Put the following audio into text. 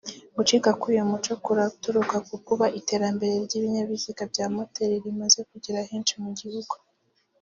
Gucika k’ uyu muco kuraturuka kukuba iterambere ry’ ibinyabiziga bya moteli rimaze kugera henshi mu gihugu